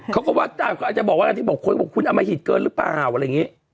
เค้าก็อาจจะบอกว่าที่บอกคุณอำมะหิตเกินหรือเปล่าอะไรอย่างนี้